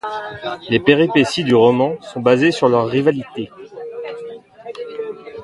Les péripéties du roman sont basées sur leur rivalité.